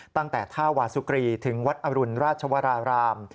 ตั้งแต่ท่าวาสุกรีถึงวัดอรุณราชวราราม